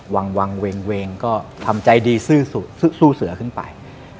วังเวงก็ทำใจดีสู้เสือขึ้นไป